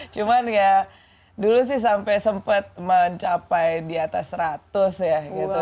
cuman ya dulu sih sampai sempat mencapai di atas seratus ya gitu